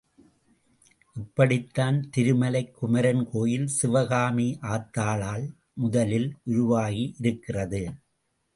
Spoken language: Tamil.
இப்படித்தான் திருமலைக் குமரன் கோயில் சிவகாமி ஆத்தாளால் முதலில் உருவாகியிருக்கிறது.